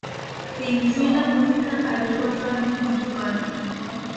Se inició en la música a los ocho años con su padre.